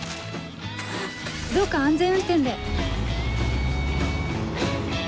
どうか安全運転で。